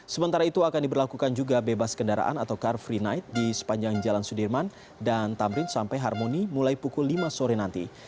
sementara itu akan diberlakukan juga bebas kendaraan atau car free night di sepanjang jalan sudirman dan tamrin sampai harmoni mulai pukul lima sore nanti